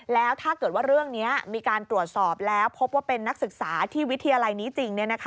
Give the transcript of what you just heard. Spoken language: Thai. แล้วถ้าเกิดว่าเรื่องนี้มีการตรวจสอบแล้วพบว่าเป็นนักศึกษาที่วิทยาลัยนี้จริง